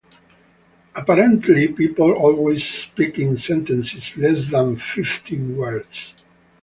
Apparently people always speak in sentences less than fifteen words